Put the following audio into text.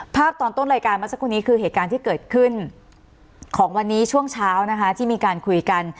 ตอนต้นรายการเมื่อสักครู่นี้คือเหตุการณ์ที่เกิดขึ้นของวันนี้ช่วงเช้านะคะที่มีการคุยกัน